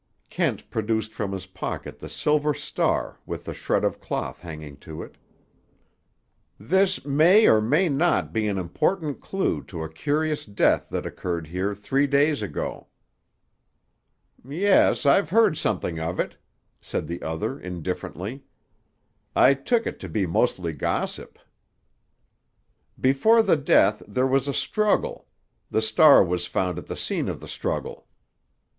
Kent produced from his pocket the silver star with the shred of cloth hanging to it. "This may or may not be an important clue to a curious death that occurred here three days ago." "Yes, I've heard something of it," said the other indifferently. "I took it to be mostly gossip." "Before the death there was a struggle. This star was found at the scene of the struggle."